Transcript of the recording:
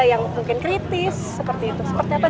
yang mungkin kritis seperti itu seperti apa